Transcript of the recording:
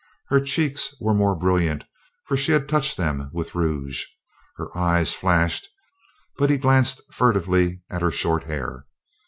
Her cheeks were more brilliant, for she had touched them with rouge. Her eyes flashed; but he glanced furtively at her short hair.